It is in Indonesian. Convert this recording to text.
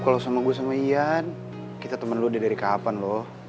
kalau sama gue sama ian kita temen lu udah dari kapan loh